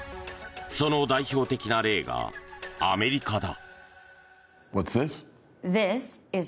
その代表的な例がアメリカだ。